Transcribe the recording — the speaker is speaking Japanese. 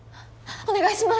お願いします